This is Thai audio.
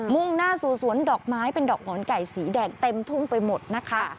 ่งหน้าสู่สวนดอกไม้เป็นดอกหมอนไก่สีแดงเต็มทุ่งไปหมดนะคะ